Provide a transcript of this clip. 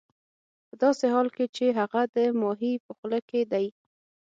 ه داسې حال کې چې هغه د ماهي په خوله کې دی